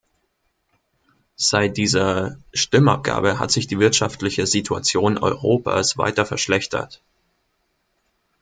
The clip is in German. Seit dieser Stimmabgabe hat sich die wirtschaftliche Situation Europas weiter verschlechtert.